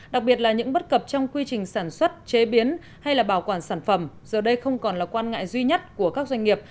đặc biệt là những bất cập trong quy trình sản xuất chế biến hay là bảo quản sản phẩm giờ đây không còn là quan ngại duy nhất của các doanh nghiệp